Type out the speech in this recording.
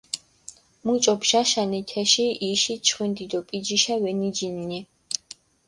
მუჭო ბჟაშანი, თეში იში ჩხვინდი დო პიჯიშა ვენიჯინინე.